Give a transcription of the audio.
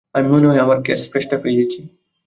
আমি মনে হয় আমার ক্যাচফ্রেজটা পেয়েছি।